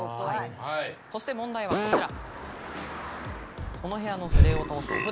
そして問題はこちら。